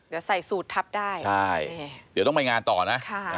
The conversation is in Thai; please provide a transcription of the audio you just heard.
เดี๋ยวใส่สูตรทับได้ใช่เดี๋ยวต้องไปงานต่อนะ